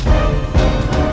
kalau dimudahkan silakan